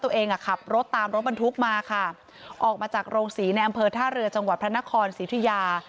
อ่ะขับรถตามรถบรรทุกมาค่ะออกมาจากโรงศรีในอำเภอท่าเรือจังหวัดพระนครศรีธุยา